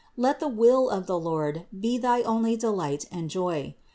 Let the will of the Lord be thy only delight and joy.